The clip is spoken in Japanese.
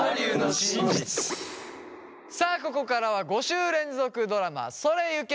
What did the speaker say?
さあここからは５週連続ドラマ「それゆけ！